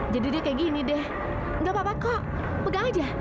jadi dia kayak gini deh nggak apa apa kok pegang aja